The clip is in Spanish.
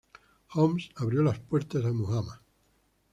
Homs abrió las puertas a Muhammad.